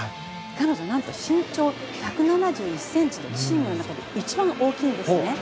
彼女何と身長１７１ｃｍとチームの中で一番大きいんですね。